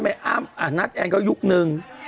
คุณไอ้อ้ำอ่ะนัทแอร์นก็ยุคหนึ่ง